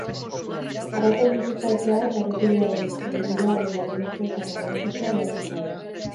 Arreta inoiz ez galtzea eta errepidearen zein giroaren baldintzetara egokitzea beharrezkoa da.